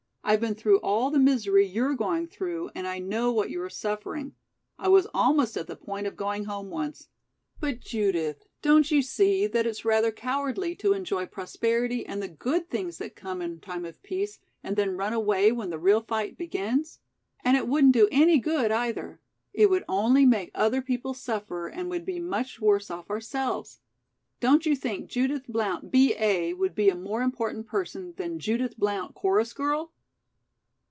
I've been through all the misery you're going through, and I know what you are suffering. I was almost at the point of going home once. But Judith, don't you see that it's rather cowardly to enjoy prosperity and the good things that come in time of peace, and then run away when the real fight begins? And it wouldn't do any good, either. It would only make other people suffer and we'd be much worse off ourselves. Don't you think Judith Blount, B. A., would be a more important person than Judith Blount, Chorus Girl?"